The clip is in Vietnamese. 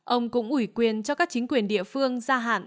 ông cũng ủy quyền cho các chính quyền địa phương gia hạn